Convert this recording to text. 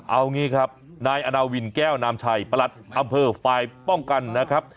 เอางี้ครับนายอนาวินแก้วนามชัยประหลัดอำเภอฝ่ายป้องกันนะครับ